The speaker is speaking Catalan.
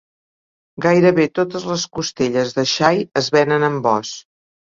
Gairebé totes les costelles de xai es venen amb os.